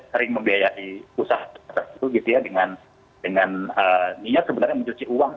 sering membiayai usaha itu dengan niat sebenarnya mencuci uang